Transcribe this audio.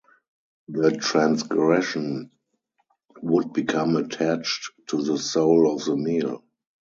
The transgression would become attached to the soul of the meal.